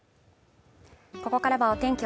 ここからはお天気